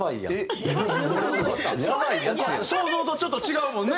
想像とちょっと違うもんね。